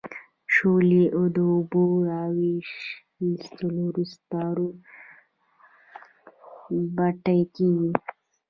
شولې د اوبو را وېستلو وروسته بټۍ کیږي.